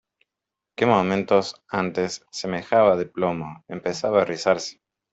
que momentos antes semejaba de plomo, empezaba a rizarse.